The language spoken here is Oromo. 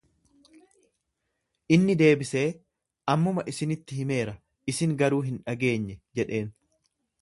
Inni deebisee, Ammuma isinitti himeera, isin garuu hin dhageenye jedheen.